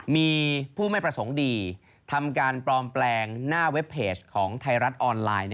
มีผู้ไม่ประสงค์ดีทำการปลอมแปลงหน้าเว็บเพจของไทยรัฐออนไลน์